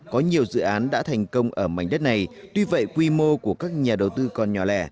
có nhiều dự án đã thành công ở mảnh đất này tuy vậy quy mô của các nhà đầu tư còn nhỏ lẻ